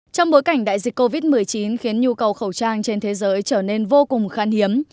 trong bối cảnh đại dịch covid một mươi chín khiến nhu cầu khẩu trang trên thế giới trở nên vô cùng khán hiếm